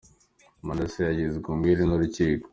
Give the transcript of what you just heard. Manase yagizwe umwere n’Urukiko